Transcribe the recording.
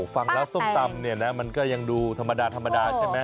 ฟังร้านส้มตำมันก็ยังดูธรรมดาใช่ไหม